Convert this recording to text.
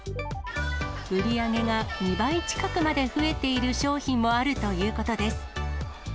売り上げが２倍近くまで増えている商品もあるということです。